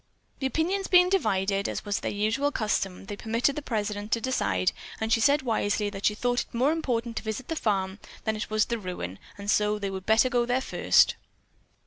The opinions being divided, as was their usual custom they permitted the president to decide, and she said wisely that she thought it more important to visit the farm than it was the ruin, and so they would better go there first.